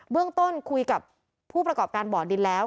เรื่องต้นคุยกับผู้ประกอบการบ่อดินแล้ว